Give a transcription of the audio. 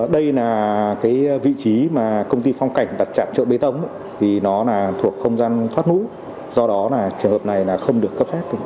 đây là vị trí mà công ty phong cảnh đặt trạm chợ bê tông vì nó là thuộc không gian thoát lũ do đó là trường hợp này không được cấp phép